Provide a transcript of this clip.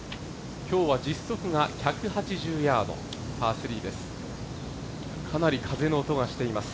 今日は実測が１８０ヤード、パー３です。